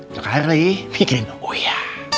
sekarang lagi mikirin oya